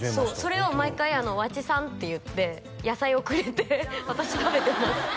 それを毎回和智産っていって野菜をくれて私食べてます